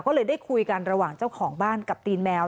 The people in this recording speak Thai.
ก็เลยได้คุยกันระหว่างเจ้าของบ้านกับตีนแมว